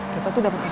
kita tuh dapet sms